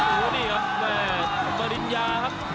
โอ้โหนี่ครับแม่ปริญญาครับ